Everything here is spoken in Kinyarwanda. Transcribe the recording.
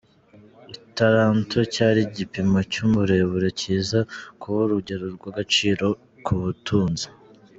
Italanto cyari igipimo cy’uburemere, kiza kuba urugero rw’agaciro k’ubutunzi.